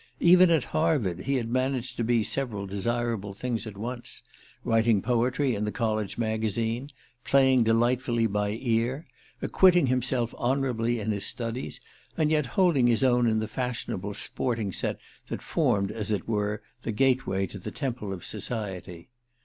Even at Harvard he had managed to be several desirable things at once writing poetry in the college magazine, playing delightfully "by ear," acquitting himself honorably in his studies, and yet holding his own in the fashionable sporting set that formed, as it were, the gateway of the temple of Society.